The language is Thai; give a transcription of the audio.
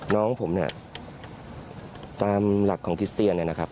น้องผมเนี่ยตามหลักของคริสเตียนเนี่ยนะครับ